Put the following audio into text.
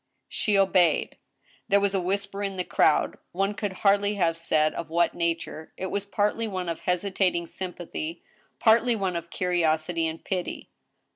She obeyed. There was a whisper in the crowd; one could hardly have said of what nature, it was partly one of hesitating sym pathy, partly one of curiosity and pity.